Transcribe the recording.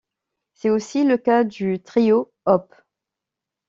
C’est aussi le cas du Trio op.